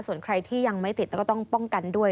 ส่วนใครที่ยังไม่ติดแล้วก็ต้องป้องกันด้วย